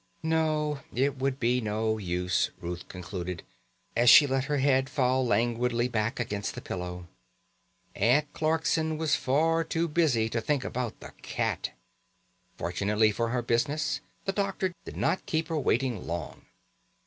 No, it would be of no use, Ruth concluded, as she let her head fall languidly back against the pillow Aunt Clarkson was far too busy to think about the cat. Fortunately for her business, the doctor did not keep her waiting long.